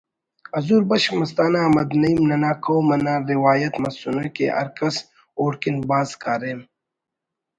حضور بخش مستانہ احمد نعیم ننا قوم انا روایت مسنے کہ ہرکس اوڑکن بھاز کاریم